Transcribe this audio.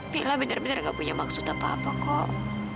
mila bener bener gak punya maksud apa apa kok